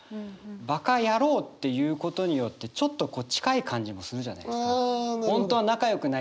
バカヤローって言うことによってちょっと近い感じもするじゃないですか。